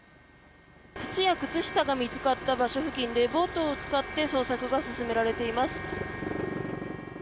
靴や靴下が見つかった場所付近でボートを使って捜索が進められています。